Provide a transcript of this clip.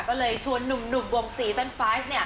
ก็เลยชวนหนุ่มวงซีซั่น๕